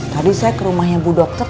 tadi saya ke rumahnya bu dokter